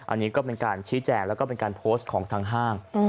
อันนี้ก็เป็นการชี้แจงแล้วก็เป็นการโพสต์ของทางห้าง